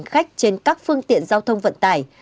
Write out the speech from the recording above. khách trên các phương tiện giao thông vận tải